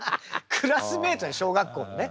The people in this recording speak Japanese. クラスメートだよ小学校のね。